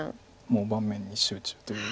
もう盤面に集中という。